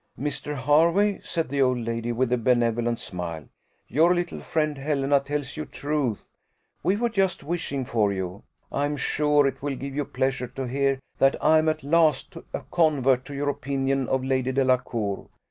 "Mr. Hervey," said the old lady, with a benevolent smile, "your little friend Helena tells you truth; we were just wishing for you. I am sure it will give you pleasure to hear that I am at last a convert to your opinion of Lady Delacour.